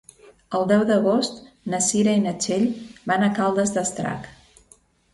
El deu d'agost na Cira i na Txell van a Caldes d'Estrac.